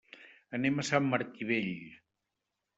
Anem a Sant Martí Vell.